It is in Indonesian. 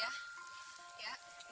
ya nanti pada ade ade ya